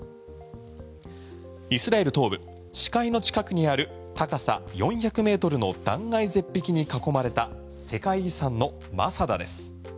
イスラエル東部死海の近くにある高さ４００ｍの断崖絶壁に囲まれた世界遺産のマサダです。